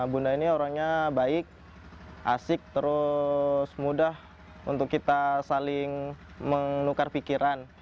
bunda ini orangnya baik asik terus mudah untuk kita saling menukar pikiran